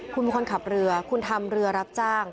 คุณเป็นคนขับเรือคุณทำเรือรับจ้าง